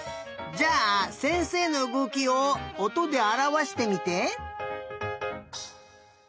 じゃあせんせいのうごきをおとであらわしてみて。